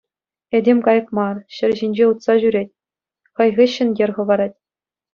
Этем кайӑк мар, ҫӗр ҫинче утса ҫӳрет, хай хыҫҫӑн йӗр хӑварать.